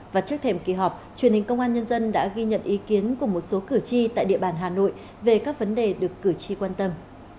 và trước thềm kỳ họp truyền hình công an nhân dân đã ghi nhận ý kiến của một số cử tri tại địa bàn hà nội về các vấn đề được cử tri quan tâm